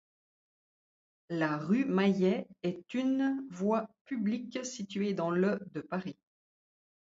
La rue Mayet est une voie publique située dans le de Paris.